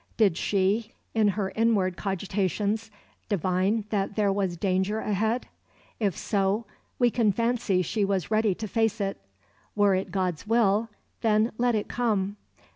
Did she, in her inward cogitations, divine that there was danger ahead? If so we can fancy she was ready to face it. Were it God's will, then let it come.